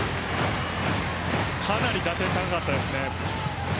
かなり打点、高かったですね。